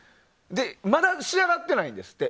まだ仕上がってないんですって。